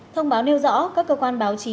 thông báo nêu rõ các cơ quan báo chí